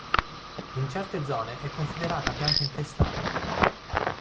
In certe zone è considerata pianta infestante.